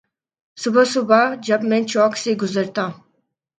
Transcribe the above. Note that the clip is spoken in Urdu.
صبح صبح جب میں چوک سے گزرتا